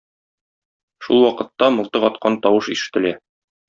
Шул вакытта мылтык аткан тавыш ишетелә.